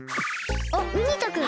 あっウニ太くん。